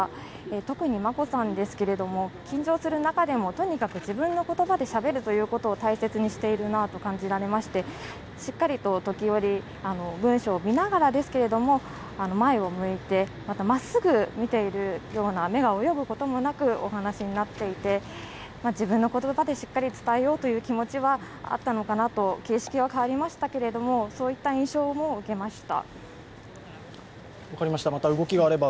特に眞子さんですけれど緊張する中でもとにかく自分の言葉でしゃべるということを大切にしているなと感じられまして、しっかりと時折、文書を見ながらですけれども前を向いて、またまっすぐ見ているような、目が泳ぐことなくお話になっていて自分の言葉でしっかり伝えようというお気持ちはあったのかなと、形式は変わりましたけれども、そういった印象はありました。